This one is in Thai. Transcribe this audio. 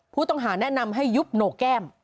ผู้ต้องหาแนะนำให้ยุบโหนกแก้ม